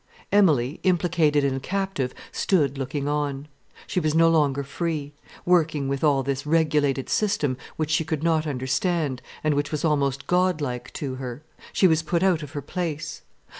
Emilie, implicated and captive, stood looking on. She was no longer free, working with all this regulated system which she could not understand and which was almost god like to her. She was put out of her place.